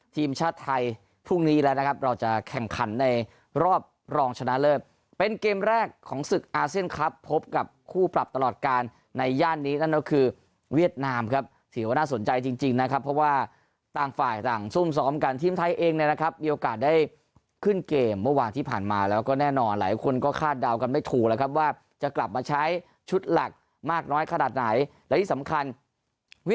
ทีมชาติไทยพรุ่งนี้แล้วนะครับเราจะแข่งขันในรอบรองชนะเลิฟเป็นเกมแรกของสึกอาเซียนครับพบกับคู่ปรับตลอดการในย่านนี้นั่นก็คือเวียดนามครับถือว่าน่าสนใจจริงจริงนะครับเพราะว่าต่างฝ่ายต่างซุ่มซ้อมกันทีมไทยเองนะครับมีโอกาสได้ขึ้นเกมเมื่อวานที่ผ่านมาแล้วก็แน่นอนหลายคนก็คาดเด